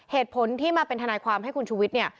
เหตุผลที่มาเป็นทนายความให้คุณชุวิตเนี่ย